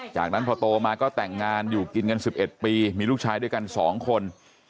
จากนั้นพอโตมาก็แต่งงานอยู่กินกัน๑๑ปีมีลูกชายด้วยกัน๒คน